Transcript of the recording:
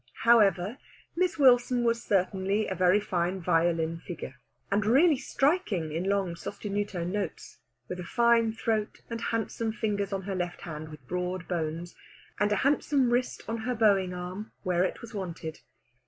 However, Miss Wilson was certainly a very fine violin figure, and really striking in long sostenuto notes, with a fine throat and handsome fingers on her left hand with broad bones, and a handsome wrist on her bowing arm where it was wanted.